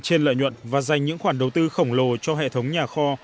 trên lợi nhuận và dành những khoản đầu tư khổng lồ cho hệ thống nhà kho